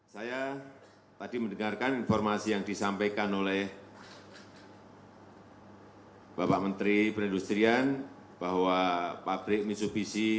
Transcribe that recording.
saya tadi mendengarkan informasi yang disampaikan oleh bapak menteri perindustrian bahwa pabrik misubisi